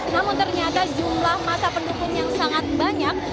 namun ternyata jumlah masa pendukung yang sangat banyak